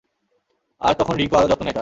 আর তখন রিংকু আরও যত্ন নেয় তার।